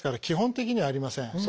基本的にはありません。